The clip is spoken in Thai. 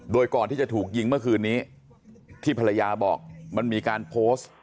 โดยก่อนที่จะถูกยิงเมื่อคืนนี้ที่ภรรยาบอกมันมีการโพสต์